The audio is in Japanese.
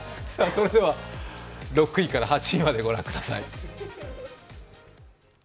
それでは６位から８位まで御覧ください。